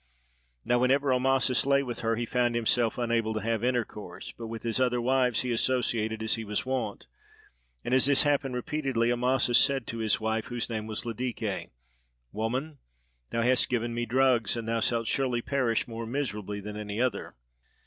Now whenever Amasis lay with her he found himself unable to have intercourse, but with his other wives he associated as he was wont; and as this happened repeatedly, Amasis said to his wife, whose name was Ladike: "Woman, thou hast given me drugs, and thou shall surely perish more miserably than any other."